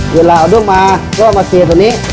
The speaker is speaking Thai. เวลาเอาด้วยมาก็มาเกลียดตรงนี้